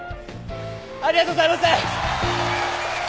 ありがとうございます！